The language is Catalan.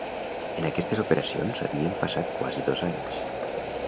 En aquestes operacions havien passat quasi dos anys.